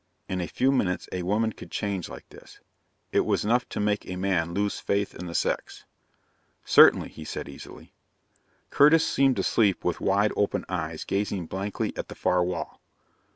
In a few minutes a woman could change like this. It was enough to make a man lose faith in the sex. "Certainly," he said easily. Curtis seemed to sleep with wide open eyes gazing blankly at the far wall.